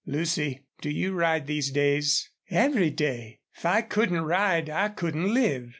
Lucy, do you ride these days?" "Every day. If I couldn't ride I couldn't live."